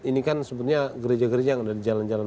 ini kan sebenarnya gereja gereja yang ada di jalan jalan